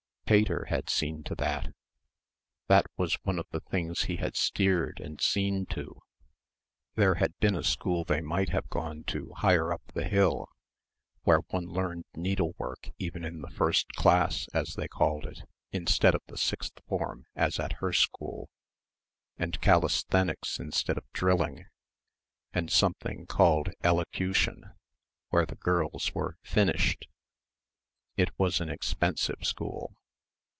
Pater had seen to that that was one of the things he had steered and seen to. There had been a school they might have gone to higher up the hill where one learned needlework even in the "first class" as they called it instead of the sixth form as at her school, and "Calisthenics" instead of drilling and something called elocution where the girls were "finished." It was an expensive school.